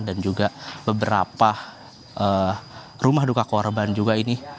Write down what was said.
dan juga beberapa rumah duka korban juga ini